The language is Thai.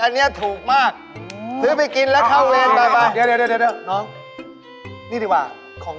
พี่ต้องไปเข้าเวียนอีกใช่ไหม